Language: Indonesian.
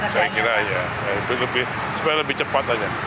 saya kira ya lebih lebih cuma lebih cepat saja